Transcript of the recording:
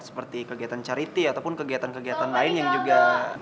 seperti kegiatan cariti ataupun kegiatan kegiatan lain yang juga